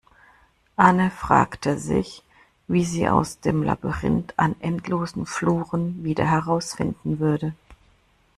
Anne fragte sich, wie sie aus dem Labyrinth an endlosen Fluren wieder herausfinden würde.